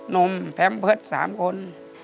นมแพ้มเพิศสามคน